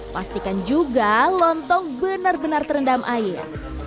pastikan juga lontong benar benar terendam air